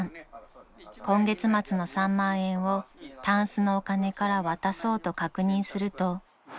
［今月末の３万円をたんすのお金から渡そうと確認すると］